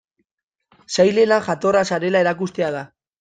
Zailena jatorra zarela erakustea da.